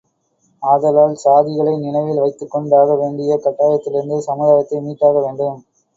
ஆதலால் சாதிகளை நினைவில் வைத்துக் கொண்டாக வேண்டிய கட்டாயத்திலிருந்து சமுதாயத்தை மீட்டாக வேண்டும்.